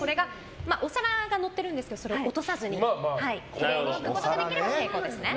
お皿が乗っているんですけどそれを落とさずにきれいに引くことができれば成功です。